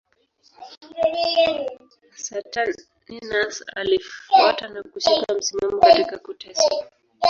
Saturninus alifuata na kushika msimamo katika kuteswa.